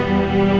jangan bawa dia